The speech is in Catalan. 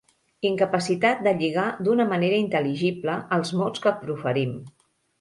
Incapacitat de lligar d'una manera intel·ligible els mots que proferim.